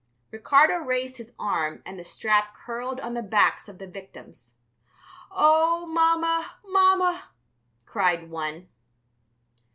Ricardo raised his arm and the strap curled on the backs of the victims. "Oh, Mamma, Mamma," cried one.